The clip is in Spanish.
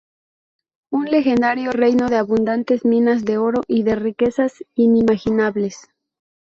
Un legendario reino de abundantes minas de oro y de riquezas inimaginables.